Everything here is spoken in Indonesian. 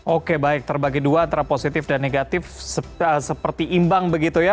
oke baik terbagi dua antara positif dan negatif seperti imbang begitu ya